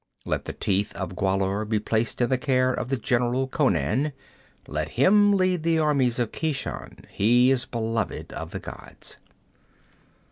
Let the Teeth of Gwahlur be placed in the care of the general Conan. Let him lead the armies of Keshan. He is beloved of the gods."'